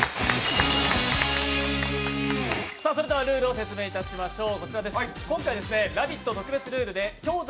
それではルールを説明いたしましょう。